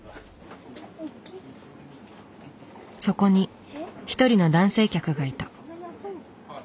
そこに一人の男性客がいた。